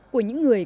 của những người